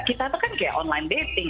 kita tuh kan kayak online dating